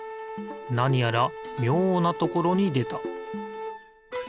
なにやらみょうなところにでた。